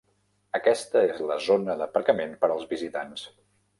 Aquesta és la zona d'aparcament per als visitants.